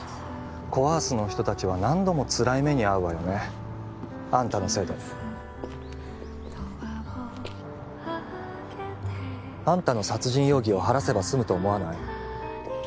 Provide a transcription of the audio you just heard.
コ・アースの人達は何度もつらい目にあうわよねあんたのせいであんたの殺人容疑を晴らせば済むと思わない？